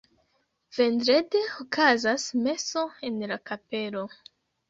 Vendrede okazas meso en la kapelo.